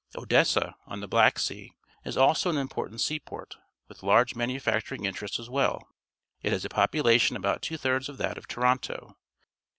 Odessa, on the Black Sea, is also an important seaport, with large manufacturing interests as well. It has a pop ulation about two tliirds of that of Toronto.